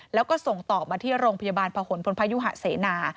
แล้วก็ส่งต่อมาที่โรงพยาบาลพหนพลพยุหะเสนา